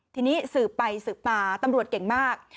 ทีนี้สืบไปสืบมาตำรวจเก่งมาก